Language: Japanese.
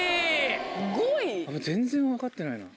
５位！全然分かってないな。